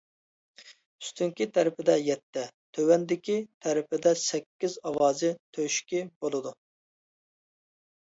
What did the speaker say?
ئۈستۈنكى تەرىپىدە يەتتە، تۆۋەندىكى تەرىپىدە سەككىز ئاۋازى تۆشۈكى بولىدۇ.